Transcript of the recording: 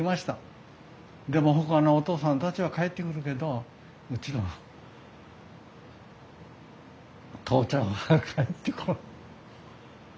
でもほかのお父さんたちは帰ってくるけどうちのは父ちゃんは帰ってこん。